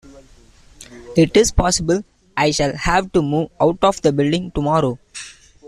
It is possible I shall have to move out of the building tomorrow.